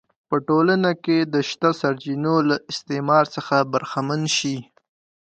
په ټولنه کې د شته سرچینو له استثمار څخه برخمن شي